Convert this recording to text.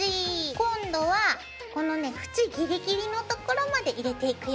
今度はこのね縁ギリギリのところまで入れていくよ。